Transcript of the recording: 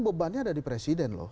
bebannya ada di presiden loh